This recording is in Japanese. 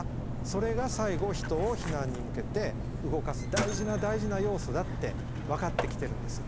それが最後人を避難に向けて動かす大事な大事な要素だって分かってきてるんです。